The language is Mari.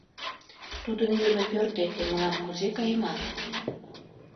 — Тудын илыме пӧрт деке мылам кузе кайыман?